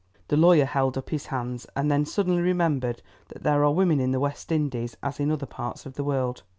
The lawyer held up his hands, and then suddenly remembered that there are women in the West Indies as in other parts of the world.